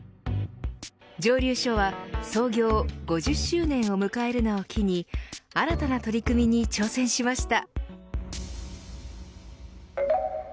蒸留所は創業５０周年を迎えるのを機に新たな取り組みに挑戦しました。